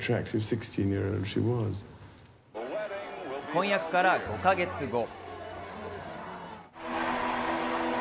婚約から５か月後。